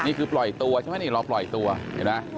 นี่คือปล่อยตัวใช่ไหมนี่รอปล่อยตัวเห็นไหม